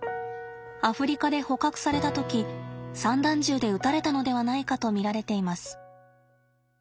アフリカで捕獲された時散弾銃で撃たれたのではないかと見られています。